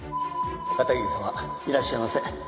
片桐様いらっしゃいませ。